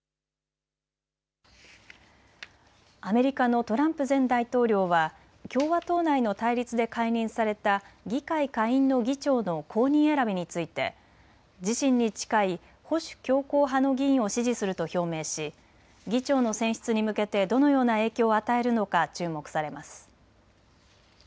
アメリカのトランプ前大統領は共和党内の対立で解任された議会下院の議長の後任選びについて自身に近い保守強硬派の議員を支持すると表明し議長の選出に向けてどのような影響を与えるのか注目されます。